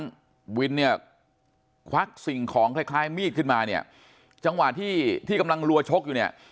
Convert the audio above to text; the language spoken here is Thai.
ทั้งวิทย์เนี่ยควักสิ่งของคล้ายมีดขึ้นมาจังหวัดที่ที่กำลังลัวชก